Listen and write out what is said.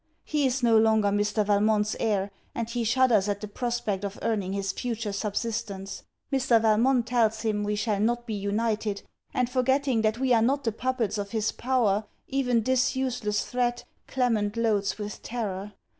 He is no longer Mr. Valmont's heir, and he shudders at the prospect of earning his future subsistence. Mr. Valmont tells him we shall not be united, and forgetting that we are not the puppets of his power, even this useless threat, Clement loads with terror.